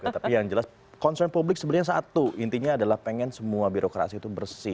tapi yang jelas concern publik sebenarnya satu intinya adalah pengen semua birokrasi itu bersih